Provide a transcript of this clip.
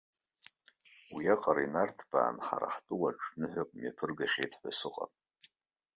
Уиаҟара инарҭбааны ҳара ҳтәылаҿы ныҳәак мҩаԥыргахьеит ҳәа сыҟам.